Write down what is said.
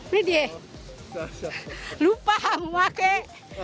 lihat dia lupa aku pakai